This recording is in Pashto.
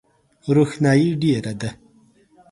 روښنایي ډېره ده .